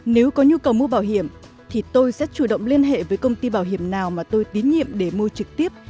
nếu có nhu cầu mua bảo hiểm thì tôi sẽ chủ động liên hệ với công ty bảo hiểm nào mà tôi tín nhiệm để mua trực tiếp